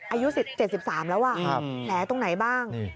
อายุ๗๓แล้วแผลตรงไหนบ้าง